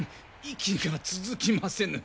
息が続きませぬ。